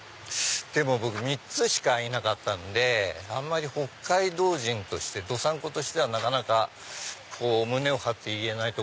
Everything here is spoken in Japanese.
でも僕３つしかいなかったんであんまり北海道人として。道産子と胸を張って言えない。